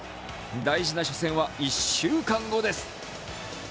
大事な初戦は１週間後です。